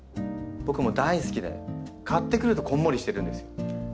僕も大好きで買ってくるとこんもりしてるんですよ。